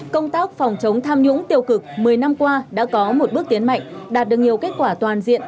công tác phòng chống tham nhũng tiêu cực một mươi năm qua đã có một bước tiến mạnh đạt được nhiều kết quả toàn diện